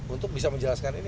untuk bisa menjelaskan ini